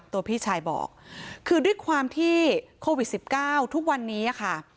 พี่ชายบอกคือด้วยความที่โควิด๑๙ทุกวันนี้ค่ะ